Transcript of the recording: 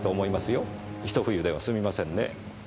ひと冬では済みませんねぇ。